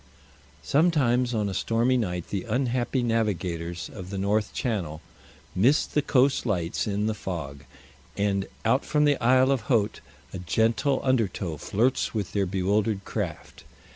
Sometimes on a stormy night the unhappy navigators of the North Channel miss the coast lights in the fog, and out from the Isle of Haut a gentle undertow flirts with their bewildered craft.